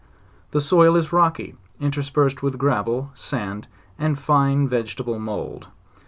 The soil is rocky, interspersed with gravel, sand, and fine vegetable mould.